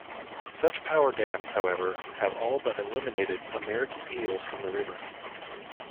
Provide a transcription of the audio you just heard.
Such power dams, however, have all but eliminated American eels from the river.